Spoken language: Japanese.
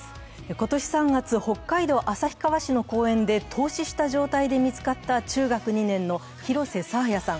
今年３月、北海道旭川市の公園で凍死した状態で見つかった中学２年の廣瀬爽彩さん。